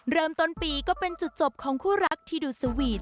เริ่มต้นปีก็เป็นจุดจบของคู่รักที่ดูสวีท